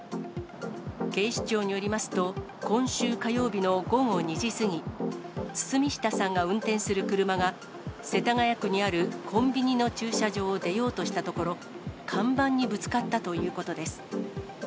警視庁によりますと、今週火曜日の午後２時過ぎ、堤下さんが運転する車が、世田谷区にあるコンビニの駐車場を出ようとしたところ、看板にぶつかったということです。